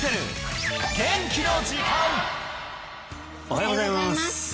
おはようございます